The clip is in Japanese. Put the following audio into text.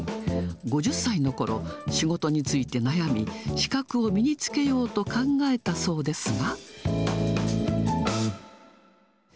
５０歳のころ、仕事について悩み、資格を身につけようと考えたそうですが。